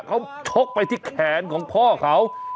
เขาชกไปที่แขนของพ่อเขา